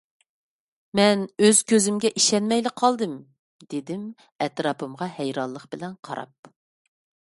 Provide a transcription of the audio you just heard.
— مەن ئۆز كۆزۈمگە ئىشەنمەيلا قالدىم، — دېدىم ئەتراپىمغا ھەيرانلىق بىلەن قاراپ.